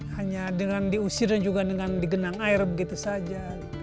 hanya dengan diusir dan juga dengan digenang air begitu saja